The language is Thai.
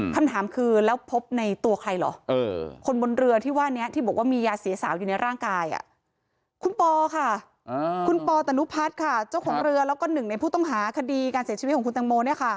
คำถามคือแล้วพบในตัวใครเหรอคนบนเรือที่ว่านี้ที่บอกว่ามียาเสียสาวอยู่ในร่างกายคุณปอค่ะคุณปอตนุพัฒน์ค่ะเจ้าของเรือแล้วก็หนึ่งในผู้ต้องหาคดีการเสียชีวิตของคุณตังโม